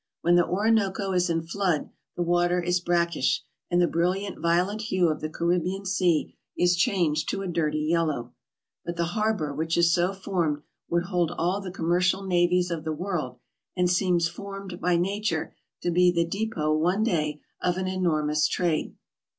When the Orinoco is in flood the water is brack ish, and the brilliant violet hue of the Caribbean Sea is changed to a dirty yellow ; but the harbor which is so formed would hold all the commercial navies of the world, and seems formed by nature to be the depot one day of an enormous trade.